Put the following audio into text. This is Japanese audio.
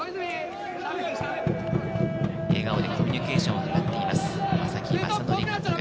笑顔でコミュニケーションを図っています。